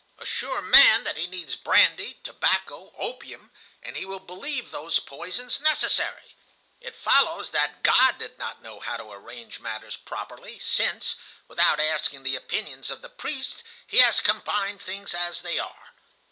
Assure man that he needs brandy, tobacco, opium, and he will believe those poisons necessary. It follows that God did not know how to arrange matters properly, since, without asking the opinions of the priests, he has combined things as they are.